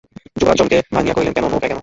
যুবরাজ চমক ভাঙিয়া কহিলেন, কেন, নৌকায় কেন?